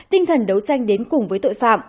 tinh thần đấu tranh đến cùng với tội phạm